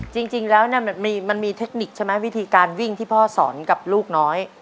จริงแล้วมันมีเทคนิคใช่ไหมวิธีการวิ่งที่พ่อสอนกับลูกน้อย